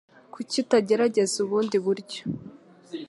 Kuki utagerageza ubundi buryo?